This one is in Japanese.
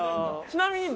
ちなみに。